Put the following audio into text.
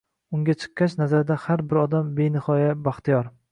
Unga chiqqach, nazarida, har bir odam benihoya baxtiyor.